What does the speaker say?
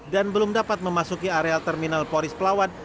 dan belum dapat memasuki area terminal polis pelawat